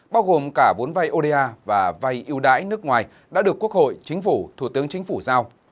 bao gồm cả vốn vay oda và vay ưu đãi nước ngoài đã được quốc hội chính phủ thủ tướng chính phủ giao